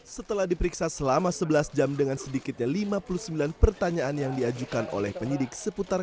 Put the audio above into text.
setelah diperiksa selama sebelas jam dengan sedikitnya lima puluh sembilan pertanyaan yang diajukan oleh penyidik seputar